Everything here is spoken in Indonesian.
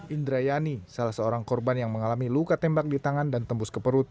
indrayani salah seorang korban yang mengalami luka tembak di tangan dan tembus ke perut